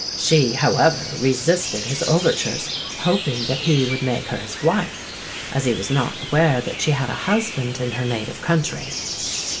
She, however, resisted his overtures, hoping that he would make her his wife, as he was not aware that she had a husband in her native country.